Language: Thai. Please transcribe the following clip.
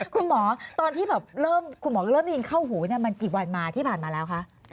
คุณหมอตอนที่เริ่มได้ยินเข้าหูมันกี่วันมาที่ผ่านมาแล้วคะ